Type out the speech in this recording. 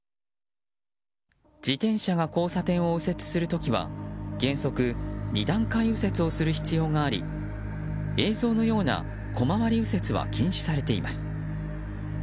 自転車が交差点を右折する時は原則２段階右折をする必要があり、映像のような小回り右折は禁止されています。